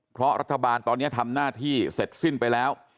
เพราะรัฐบาลตอนนี้ทำหน้าที่เสร็จสิ้นไปแล้ว